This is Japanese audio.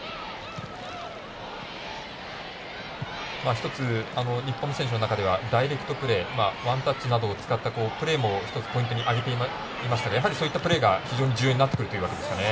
一つ、日本の選手の中ではダイレクトプレーワンタッチなどを使ったプレーも一つポイントに挙げていましたがやはり、そういったプレーが非常に重要になってくるということですかね。